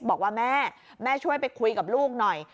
บอกว่าแม่แม่ช่วยไปคุยกับลูกหน่อย